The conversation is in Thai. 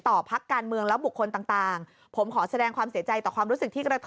ต่อพักการเมืองแล้วบุคคลต่างผมขอแสดงความเสียใจต่อความรู้สึกที่